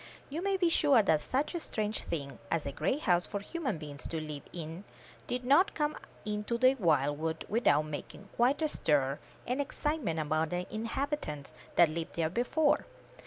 You may be sure that such a strange thing as a great house for human beings to live in did not come into this wild wood without making quite a stir and excitement among the inhabitants that lived there before.